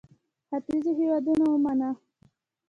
ختیځو هېوادونو ومانه.